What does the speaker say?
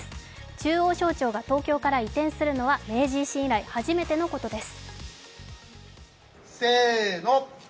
中央省庁から東京から移転するのは明治維新以来初めてのことです。